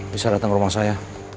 bisa datang rumah saya